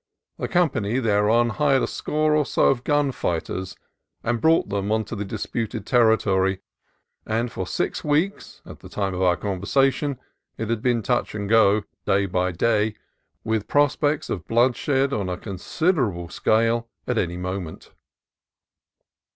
The company thereupon hired a score or so of "gun fighters," and brought them upon the disputed territory; and for six weeks (at the time of our conversation) it had been touch and go day by day, with prospects of bloodshed on a consider able scale at any moment.